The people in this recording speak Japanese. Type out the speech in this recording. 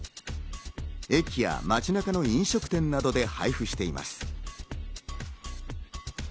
駅や街中の飲食店などで配布しています。